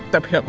tapi aku tau